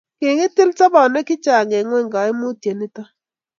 kiing'itil sobonwek che chang' eng' ng'ony kaimutiet nito